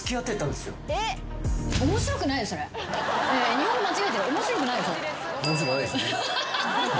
日本語間違えてる面白くないよそれ。